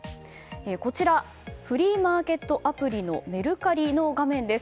こちら、フリーマーケットアプリメルカリの画面です。